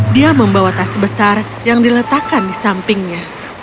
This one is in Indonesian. dia membawa tas besar yang diletakkan di sampingnya